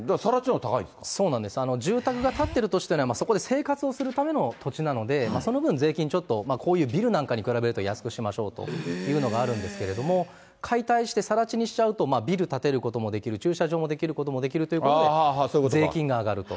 そうです、住宅が建っているとして、生活をするための土地なので、その分、税金、ちょっとビルなんかに比べると安くしましょうというのがあるんですけれども、解体して、さら地にしちゃうと、ビル建てることもできる、駐車場にすることもできるということで、税金が上がると。